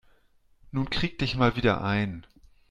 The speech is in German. Nun krieg dich mal wieder ein.